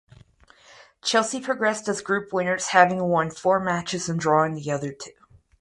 Chelsea progressed as group winners having won four matches and drawing the other two.